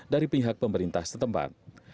di kota yang tersebut